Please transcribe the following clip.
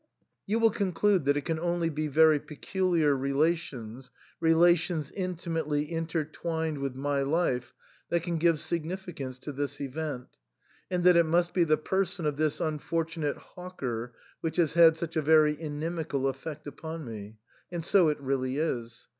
You will conclude that it can only be very peculiar relations — relations intimately intertwined with my life — ;that can give significance to this event, and that it must be the person of this unfortunate hawker which has had such a very inimical effect upon me. And so it really is.